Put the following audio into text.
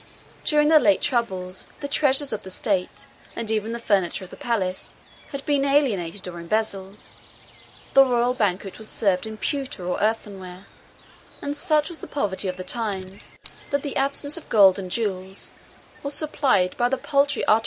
During the late troubles, the treasures of the state, and even the furniture of the palace, had been alienated or embezzled; the royal banquet was served in pewter or earthenware; and such was the proud poverty of the times, that the absence of gold and jewels was supplied by the paltry artifices of glass and gilt leather.